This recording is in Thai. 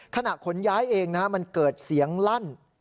ขนย้ายเองมันเกิดเสียงลั่น